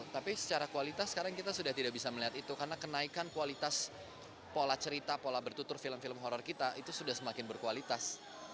tapi secara kualitas sekarang kita sudah tidak bisa melihat itu karena kenaikan kualitas pola cerita pola bertutur film film horror kita itu sudah semakin berkualitas